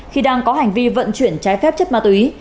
khi đang có hành vi vận chuyển trái phép chất ma túy